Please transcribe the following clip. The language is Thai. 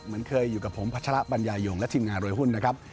เหมือนเคยอยู่กับผมพัชระปัญญายงและทีมงานรวยหุ้นนะครับ